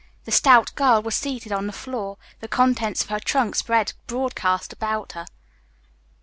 The stout girl was seated on the floor, the contents of her trunk spread broadcast about her.